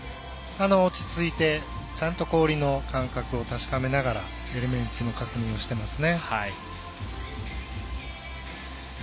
落ち着いてちゃんと氷の感覚を確かめながらエレメンツの確認をしていますね。